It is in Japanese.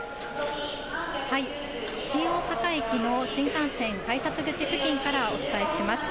新大阪駅の新幹線改札口付近からお伝えします。